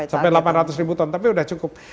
sampai delapan ratus ribu ton tapi sudah cukup